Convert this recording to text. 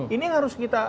ini yang harus kita